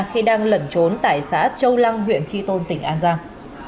khi đang lẩn trốn tại xã châu lăng huyện tri tôn tỉnh an giang